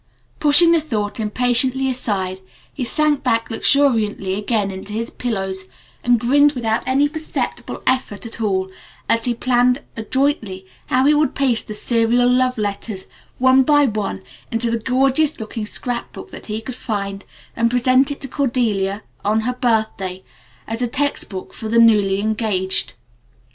Pushing the thought impatiently aside he sank back luxuriantly again into his pillows, and grinned without any perceptible effort at all as he planned adroitly how he would paste the Serial Love Letters one by one into the gaudiest looking scrap book that he could find and present it to Cornelia on her birthday as a text book for the "newly engaged" girl.